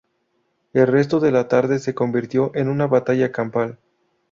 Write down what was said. El resto de la tarde se convirtió en una batalla campal.